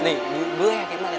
nih gue kayaknya liat